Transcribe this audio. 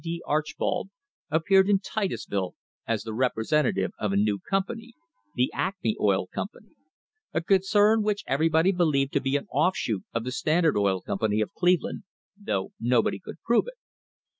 D. Archbold, appeared in Titusville as the representative of a new company, the Acme Oil Company, a concern which everybody believed to be an offshoot of the Standard Oil Company of Cleveland, though nobody could prove it.